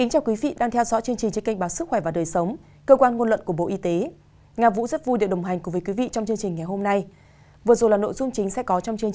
hãy đăng ký kênh để ủng hộ kênh của chúng mình nhé